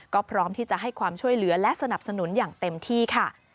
ก็พร้อมที่จะให้ความช่วยเหลือและสนับสนุนอย่างเต็มที่ค่ะ